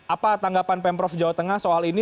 apa tanggapan pemprov jawa tengah soal ini